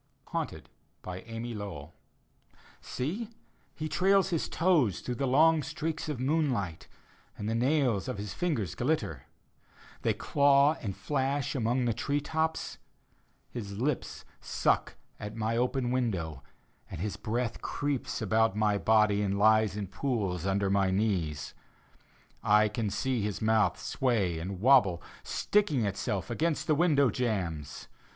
HAUNTED : amy lowbll Seel He trails his toes Through the long streaks of moonlight. And the nails of his fingers glitter; They claw and flash among the tree tops. His lips suck at my open window, And his breath creeps about my body And lies in pools under my knees. I can see his mouth sway and wobble, Sticking itself against the window jambs.